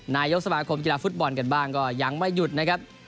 นายกสมาคมกีฬาฟุตบอลกันบ้างก็ยังไม่หยุดนะครับ